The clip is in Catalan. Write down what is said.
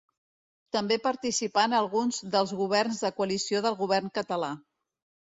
També participà en alguns dels governs de coalició del govern català.